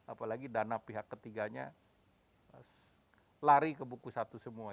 apalagi dana pihak ketiganya lari ke buku satu semua